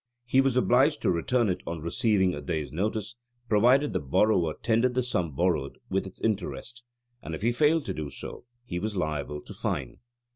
He was obliged to return it on receiving a day's notice, provided the borrower tendered the sum borrowed, with its interest: and if he failed to do so he was liable to fine.